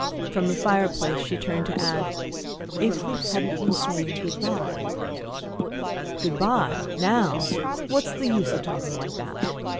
From the fireplace she turned to add "if we hadn't been saying good bye?" "Good bye now? What's the use of talking like that?"